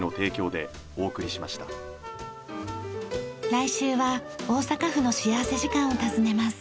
来週は大阪府の幸福時間を訪ねます。